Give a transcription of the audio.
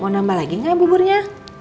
mau nambah lagi nggak ya buburnya